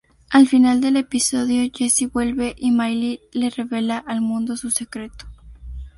Al final del episodio, Jesse vuelve y Miley le revela al mundo su secreto.